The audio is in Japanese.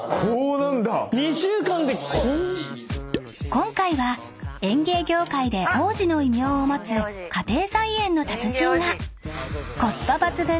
［今回は園芸業界で王子の異名を持つ家庭菜園の達人が］